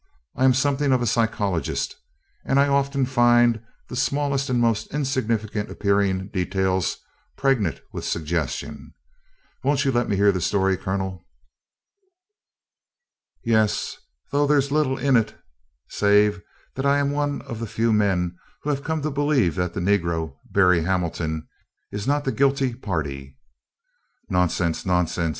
I am something of a psychologist, and I often find the smallest and most insignificant appearing details pregnant with suggestion. Won't you let me hear the story, Colonel?" "Why, yes, though there 's little in it save that I am one of the few men who have come to believe that the negro, Berry Hamilton, is not the guilty party." "Nonsense! nonsense!"